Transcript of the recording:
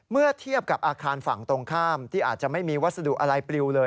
เมื่อเทียบกับอาคารฝั่งตรงข้ามที่อาจจะไม่มีวัสดุอะไรปลิวเลย